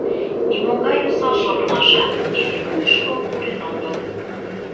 Нимогай осал шонымашат изи вуйышко пурен огыл.